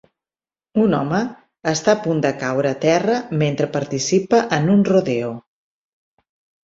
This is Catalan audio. Un home està a punt de caure a terra mentre participa en un rodeo.